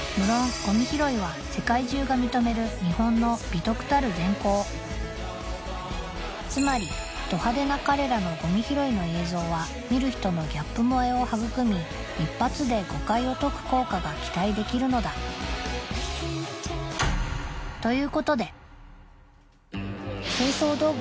ゴミ拾いは世界中が認める日本の美徳たる善行つまりド派手な彼らのゴミ拾いの映像は見る人のギャップ萌えを育み一発で誤解を解く効果が期待できるのだ清掃道具